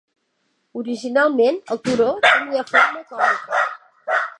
Originalment, el turó tenia forma cònica.